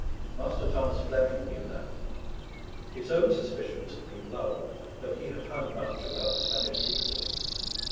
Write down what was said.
Master Thomas Fleming knew that. His own suspicions had been lulled, though he had hung much about the Spanish seaboard.